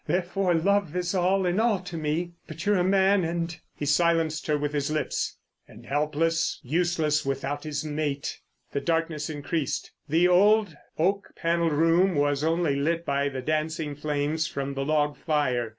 Therefore love is all in all to me. But you're a man, and——" He silenced her with his lips: "And helpless, useless without his mate." The darkness increased. The old oak panelled room was only lit by the dancing flames from the log fire.